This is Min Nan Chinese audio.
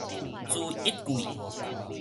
朱一貴